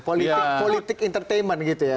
politik entertainment gitu ya